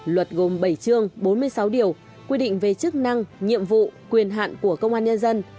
luật gồm bảy chương bốn mươi sáu điều quy định về chức năng nhiệm vụ quyền hạn của công an nhân dân